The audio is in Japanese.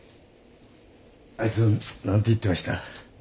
あいつ何て言ってました？